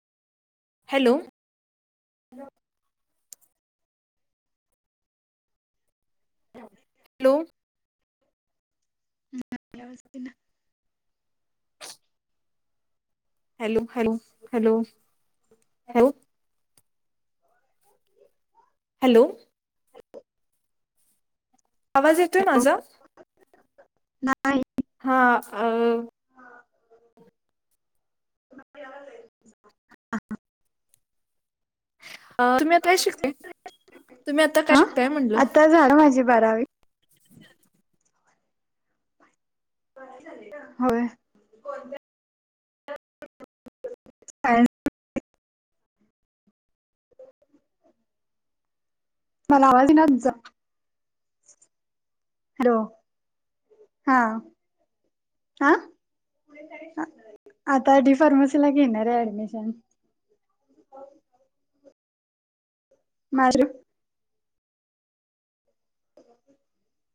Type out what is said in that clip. Hello! Hello! [unintelligible] Hello, hello, hello, hello. Hello. आवाज येतोय माझा? नाही. हा. अं अ तुम्ही आता काय शिकताय? तुम्ही आता काय हा शिकताय म्हणलं? आता झालं माझी बारावी. होय. सायन्स मला आवाज येईना तुमचा, हॅलो. हा. हा, आता डी फार्म सी ला घेणार आहे ऍडमिशन. [unintelligible]